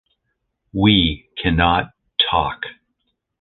We cannot talk.